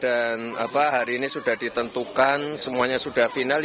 dan hari ini sudah ditentukan semuanya sudah final